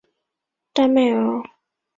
耆英号接下来驶往英国。